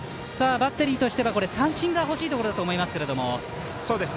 バッテリーとしては三振がほしいところだと思います。